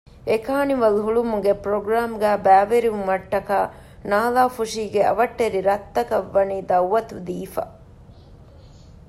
އެކާނިވަލް ހުޅުވުމުގެ ޕްރޮގްރާމްގައި ބައިވެރިވުމަށްޓަކާ ނާލާފުށީގެ އަވަށްޓެރި ރަށްތަކަށް ވަނީ ދައުވަތު ދީފަ